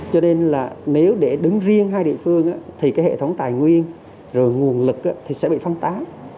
cho nên là nếu để đứng riêng hai địa phương thì cái hệ thống tài nguyên rồi nguồn lực thì sẽ bị phong tán